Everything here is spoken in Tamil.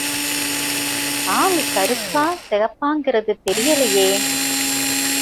ஆள் கருப்பா செகப்பாங்கிறது தெரியலையே.